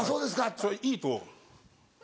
それいいと。